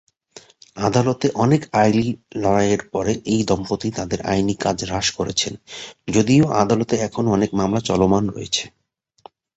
আদালতে অনেক লড়াইয়ের পরে এই দম্পতি তাঁদের আইনি কাজ হ্রাস করছেন, যদিও আদালতে এখনও অনেক মামলা চলমান রয়েছে।